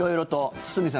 堤さん。